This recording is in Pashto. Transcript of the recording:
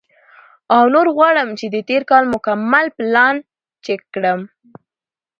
او نور غواړم چې د تېر کال مکمل پلان چیک کړم،